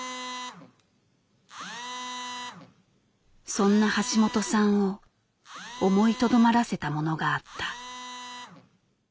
そんな橋本さんを思いとどまらせたものがあった。